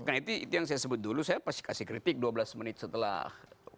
nah itu yang saya sebut dulu saya pasti kasih kritik dua belas menit setelah